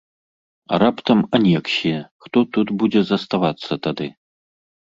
А раптам анексія, хто тут будзе заставацца тады?